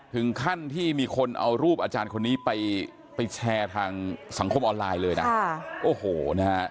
ถึงขั้นที่มีคนเอารูปอาจารย์คนนี้ไปแชร์ทางสังคมออนไลน์เลยนะโอ้โหนะฮะ